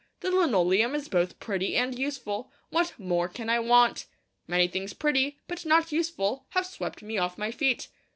The linoleum is both pretty and useful; what more can I want? Many things pretty, but not useful, have swept me off my feet.